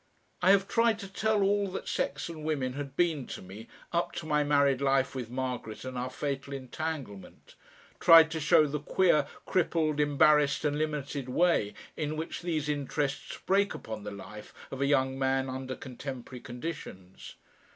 I have tried to tell all that sex and women had been to me up to my married life with Margaret and our fatal entanglement, tried to show the queer, crippled, embarrassed and limited way in which these interests break upon the life of a young man under contemporary conditions.